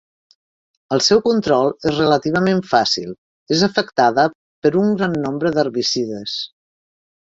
El seu control és relativament fàcil, és afectada per un gran nombre d'herbicides.